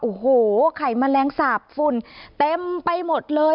โอ้โหไข่แมลงสาปฝุ่นเต็มไปหมดเลย